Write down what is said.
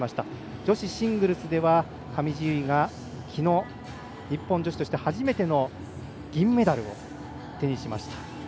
女子シングルスでは上地結衣がきのう日本女子として初めての銀メダルを手にしました。